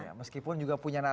ya meskipun juga punya narasi ya